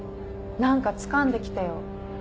何かつかんできてよ。